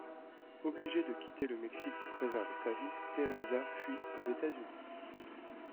Obligée de quitter le Mexique pour préserver sa vie, Teresa fuit aux États-Unis.